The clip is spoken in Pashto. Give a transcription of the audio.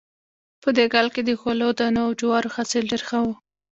په دې کال کې د غلو دانو او جوارو حاصل ډېر ښه و